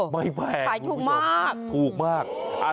ไม่แพงคุณผู้ชมถูกมากฮือว่ะ